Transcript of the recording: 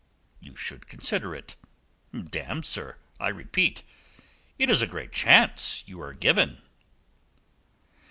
You should consider it. Damme, sir, I repeat: it is a great chance you are given.